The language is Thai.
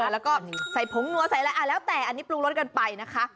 แล้วก็ใส่ผงนัวใส่อะไรแล้วแต่อันนี้ปรุงรสกันไปนะคะ